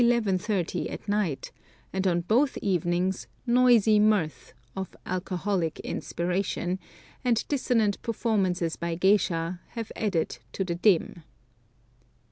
30 at night, and on both evenings noisy mirth, of alcoholic inspiration, and dissonant performances by geishas have added to the din.